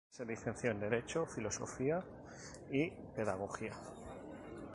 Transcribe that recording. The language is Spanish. Se licenció en derecho, filosofía y pedagogía.